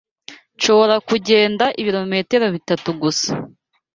Nshobora kugenda ibirometero bitatu gusa.